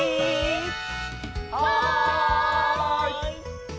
はい！